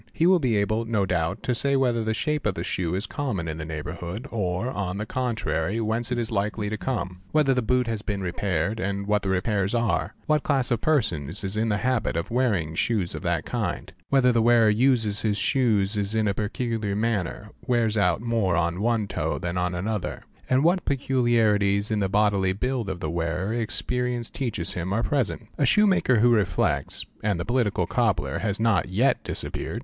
He will be able, no doubt, to say whether the shape of the —| shoe is common in the neighbourhood, or, on the contrary, whence it is OBSERVATION OF FOOTPRINTS 495 likely to come; whether the boot has been repaired and what the repairs are; what class of persons is in the habit of wearing shoes of that kind; whether the wearer uses his shoes is in a peculiar manner, wears out more on one toe than on another; and what peculiarities in the bodily build of the wearer experience teaches him are present. A shoemaker who reflects (and the political cobbler has not yet disappeared